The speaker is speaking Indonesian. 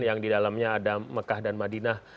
yang di dalamnya ada mekah dan madinah